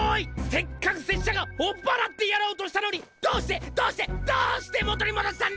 せっかく拙者が追っ払ってやろうとしたのにどうしてどうしてどうして元にもどしたんだ！